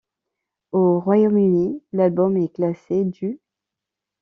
Au Royaume-Uni, l'album est classé du '.